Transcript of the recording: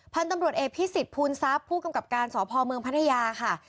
พันธมรวดเอพิสิทธิ์พูนซับผู้กำกับการสพพันธญาค่ะ